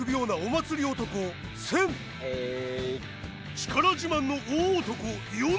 力自慢の大男ヨネ。